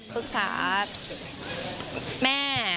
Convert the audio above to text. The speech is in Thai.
ปรึกษาแม่